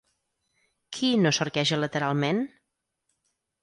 Qui no s'arqueja lateralment?